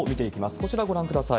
こちらご覧ください。